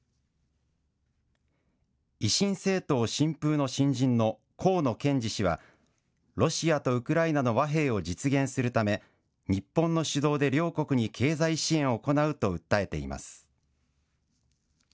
維新政党・新風の新人の河野憲二氏は、ロシアとウクライナの和平を実現するため、日本の主導で両国に経済支援を行うと訴えています。